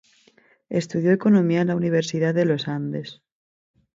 Estudió economía en la Universidad de los Andes.